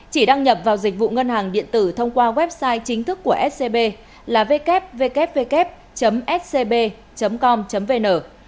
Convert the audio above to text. chỉ đăng nhập vào dịch vụ ngân hàng điện tử thông qua website chính thức của scb là ww scb com vn